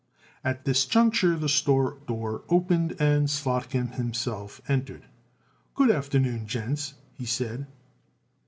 At this juncture the store door opened and Slotkin himself entered. "Good afternoon, gents," he said.